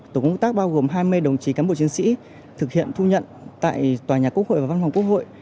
tổ công tác bao gồm hai mươi đồng chí cán bộ chiến sĩ thực hiện thu nhận tại tòa nhà quốc hội và văn phòng quốc hội